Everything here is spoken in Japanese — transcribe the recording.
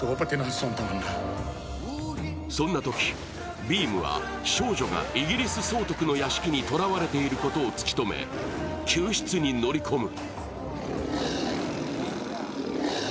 そんなときビームは少女がイギリス総督の屋敷にとらわれていることを突き止め救出に乗り込む。